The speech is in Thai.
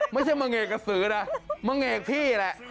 ไม่ใช่มังเนกกระสือแต่มังเนกเถอะ